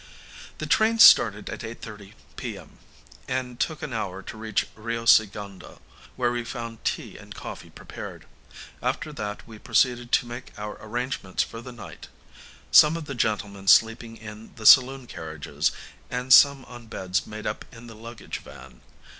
The train started at 8.30 p.m. and took an hour to reach Rio Segundo, where we found tea and coffee prepared. After that we proceeded to make our arrangements for the night; some of the gentlemen sleeping in the saloon carriages, and some on beds made up in the luggage van.